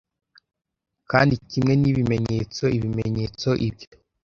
kandi kimwe ni ibimenyetso, ibimenyetso, Ibyo